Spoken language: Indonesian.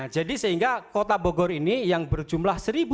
jadi sehingga kota bogor ini yang berjumlah satu tiga ratus ribu